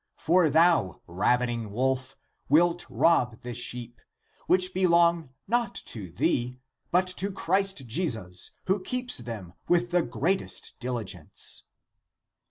For thou, ravening wolf, wilt rob the sheep, which belong not to thee, but to Christ Jesus, who keeps them with the greatest diligence."